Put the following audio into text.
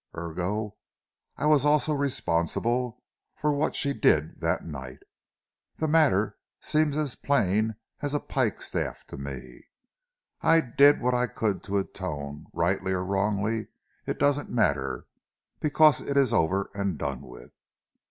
Ergo, I was also responsible for what she did that night. The matter seems as plain as a pikestaff to me. I did what I could to atone, rightly or wrongly it doesn't matter, because it is over and done with.